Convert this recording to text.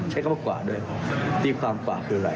ใช้คำว่ากว่าด้วยตีความกว่าคืออะไร